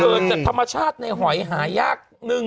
เกิดจากธรรมชาติในหอยหายาก